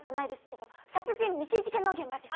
えっと殺人未遂事件の現場です。